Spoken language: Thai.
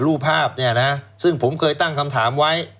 รูปภาพเนี่ยนะซึ่งผมเคยตั้งคำถามไว้